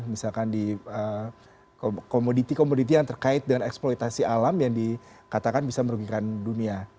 misalkan di komoditi komoditi yang terkait dengan eksploitasi alam yang dikatakan bisa merugikan dunia